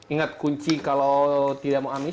ingat kunci kalau tidak mau amis